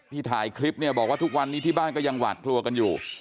ถ่ายคลิปเนี่ยบอกว่าทุกวันนี้ที่บ้านก็ยังหวาดกลัวกันอยู่